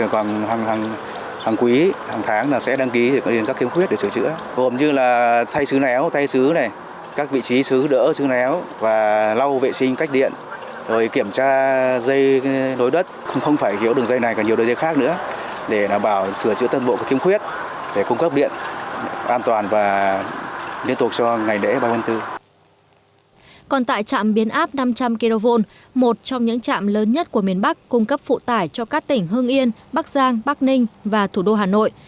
còn tại trạm biến áp năm trăm linh kv một trong những trạm lớn nhất của miền bắc cung cấp phụ tải cho các tỉnh hương yên bắc giang bắc ninh và thủ đô hà nội